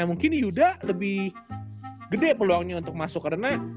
mungkin yuda lebih gede peluangnya untuk masuk karena